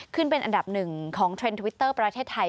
เป็นอันดับหนึ่งของเทรนด์ทวิตเตอร์ประเทศไทย